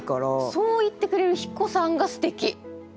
そう言ってくれるヒコさんがすてき。